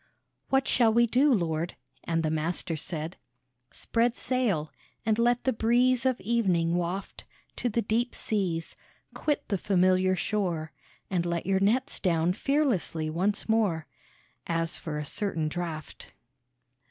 " What shall we do, Lord ?" And the Master said :" Spread sail, and let the breeze of evening waft To the deep seas ; quit the familiar shore, And let your nets down fearlessly once more, As for a certain draught."